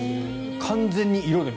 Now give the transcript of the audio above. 完全に色で。